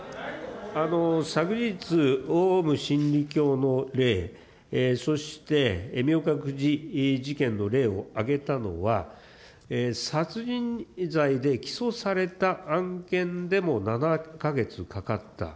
昨日、オウム真理教の例、そして明覚寺事件の例を挙げたのは、殺人罪で起訴された案件でも７か月かかった。